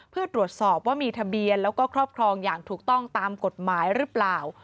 เพื่อตรวจสอบว่ามีทะเบียนแล้วก็ครอบครองอย่างถูกต้องตามกฎหมายหรือเปล่า